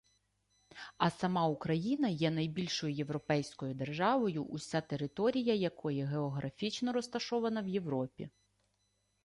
А сама Україна є найбільшою європейською державою, уся територія якої географічно розташована в Європі